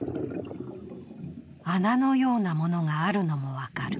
穴のようなものがあるのも分かる。